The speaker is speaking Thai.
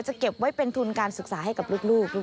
เก็บไว้เป็นทุนการศึกษาให้กับลูก